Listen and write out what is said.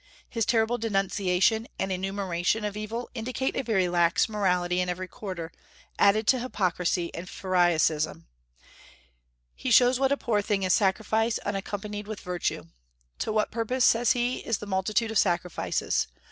His terrible denunciation and enumeration of evil indicate a very lax morality in every quarter, added to hypocrisy and pharisaism. He shows what a poor thing is sacrifice unaccompanied with virtue. "To what purpose," said he, "is the multitude of sacrifices?